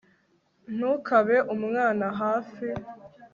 ntukabe umwana hafi